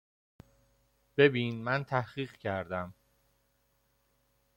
ببیین من تحقیق کردم